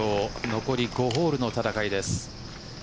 残り５ホールの戦いです。